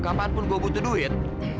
kapanpun gue butuh duit